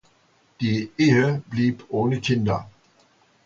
Die Ehe blieb ohne Kinder.